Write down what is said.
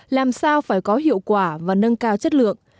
làm sao phải có hiệu quả và nâng cao chất lượng